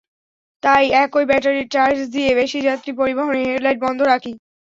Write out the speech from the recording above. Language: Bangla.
তাই একই ব্যাটারির চার্জ দিয়ে বেশি যাত্রী পরিবহনে হেডলাইট বন্ধ রাখি।